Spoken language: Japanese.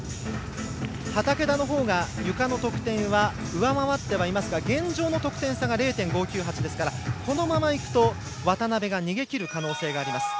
畠田の方がゆかの得点は上回っていますが現状の得点差が０．５９８ですからこのままいくと渡部が逃げ切る可能性があります。